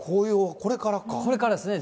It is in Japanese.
これからですね。